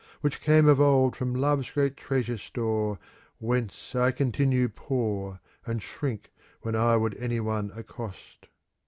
Which came of old from Love's great treasure store. Whence I continue poor, " And shrink when I would any one accost.